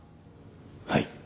はい。